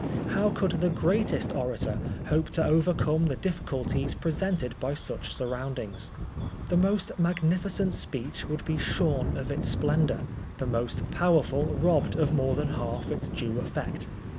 How could the greatest orator hope to overcome the difficulties presented by such surroundings ? The most magnifi cent speech would be shorn of its splendor, the most powerful robbed of more than half its due effect.